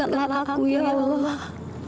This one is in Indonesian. kuatkanlah aku ya allah